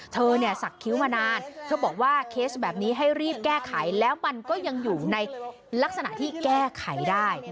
เธอเนี่ยสักคิ้วมานานเธอบอกว่าเคสแบบนี้ให้รีบแก้ไขแล้วมันก็ยังอยู่ในลักษณะที่แก้ไขได้